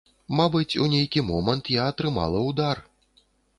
Мабыць, у нейкі момант я атрымала удар.